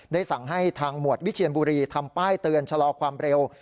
สั่งให้ทางหมวดวิเชียนบุรีทำป้ายเตือนชะลอความเร็ว